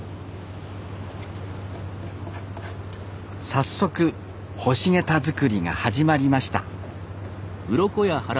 早速干しゲタ作りが始まりました